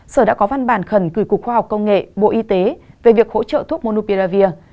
sở đã có văn bản khẩn gửi cục khoa học công nghệ bộ y tế về việc hỗ trợ thuốc monupiravir